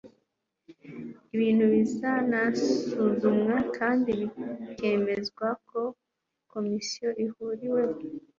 ibintu bizanasuzumwa kandi bikemezwa na komisiyo ihuriweho